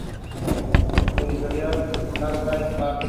Editorial Letra Impar.